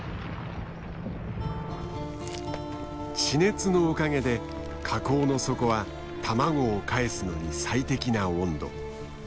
地熱のおかげで火口の底は卵をかえすのに最適な温度。